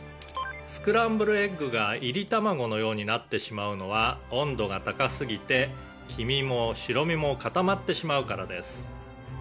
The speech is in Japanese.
「スクランブルエッグが炒りたまごのようになってしまうのは温度が高すぎて黄身も白身も固まってしまうからです」